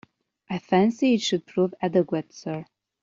I fancy it should prove adequate, sir.